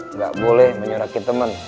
nggak boleh menyoraki teman